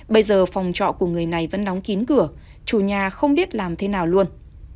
bây giờ phòng trọ của người này vẫn đóng kín cửa chủ nhà không biết làm thế nào luôn